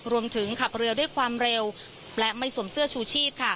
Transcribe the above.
ขับเรือด้วยความเร็วและไม่สวมเสื้อชูชีพ